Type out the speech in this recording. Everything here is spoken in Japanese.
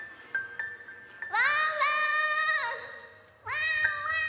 ワンワン！